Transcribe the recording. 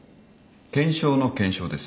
検証の検証です。